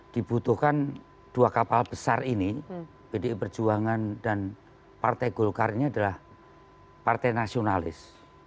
dibutuhkan dua kapal besar ini pdi perjuangan dan partai golkar ini adalah partai nasionalis